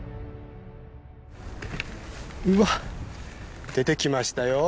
うわっ出てきましたよ。